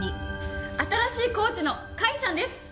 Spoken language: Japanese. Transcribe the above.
新しいコーチの甲斐さんです！